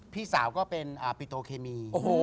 พี่สาวก็เป็นปิโตเคมี